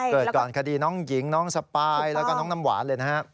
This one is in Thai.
เกิดก่อนคดีน้องหญิงน้องสปายแล้วก็น้องน้ำหวานเลยนะฮะ